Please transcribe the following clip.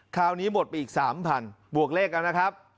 คราวนี้หมดไปอีก๓พันธุ์บวกเลขนะครับ